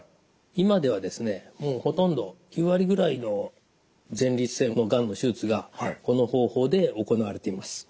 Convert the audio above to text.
今ではですねもうほとんど９割ぐらいの前立腺のがんの手術がこの方法で行われています。